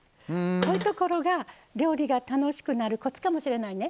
こういうところが料理が楽しくなるコツかもしれないね。